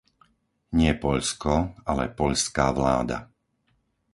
Nie Poľsko, ale poľská vláda.